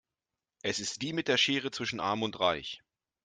Es ist wie mit der Schere zwischen arm und reich.